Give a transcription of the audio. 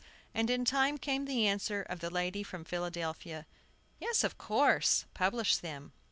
And in time came the answer of the lady from Philadelphia: "Yes, of course; publish them."